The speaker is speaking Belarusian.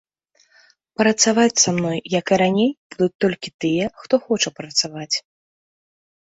Працаваць са мной, як і раней, будуць толькі тыя, хто хоча працаваць.